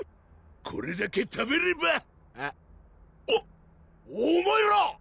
これだけ食べればおお前ら！